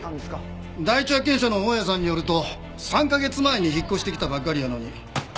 第一発見者の大家さんによると３カ月前に引っ越してきたばかりやのに。